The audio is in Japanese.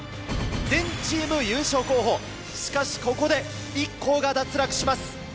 全チーム優勝候補しかしここで１校が脱落します。